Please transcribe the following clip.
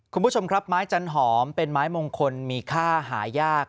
คุณผู้ชมครับไม้จันหอมเป็นไม้มงคลมีค่าหายาก